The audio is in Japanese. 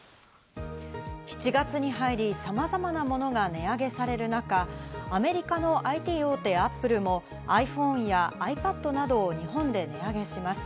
７月に入り、さまざまなものが値上げされる中、アメリカのＩＴ大手ＡｐｐｌｅもｉＰｈｏｎｅやｉＰａｄなどを日本で値上げします。